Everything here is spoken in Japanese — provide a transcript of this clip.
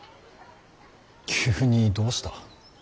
急にどうした。